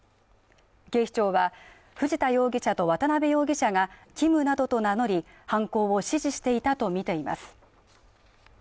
警視庁は藤田容疑者と渡辺容疑者が勤務などと名乗り犯行を指示していたとみています。